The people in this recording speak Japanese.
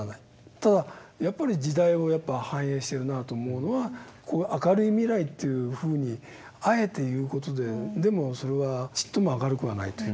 ただやっぱり時代を反映してるなあと思うのはこれが「明るい未来」というふうにあえて言う事ででもそれはちっとも明るくはないという。